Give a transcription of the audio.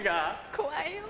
怖いよ。